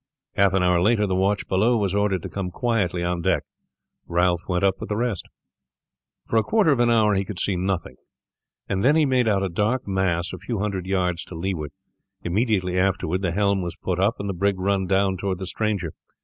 Half an hour later the watch below was ordered to come quietly on deck. Ralph went up with the rest. For a quarter of an hour he could see nothing, and then he made out a dark mass a few hundred yards to leeward; immediately afterward the helm was put up, and the brig run down toward the stranger.